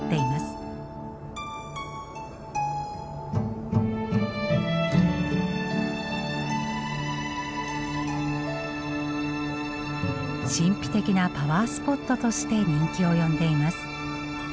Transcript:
神秘的なパワースポットとして人気を呼んでいます。